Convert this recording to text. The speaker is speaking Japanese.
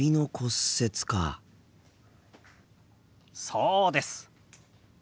そうです。